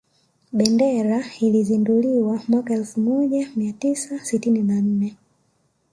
Bendera ilizinduliwa mwaka elfu moja mia tisa sitini na nne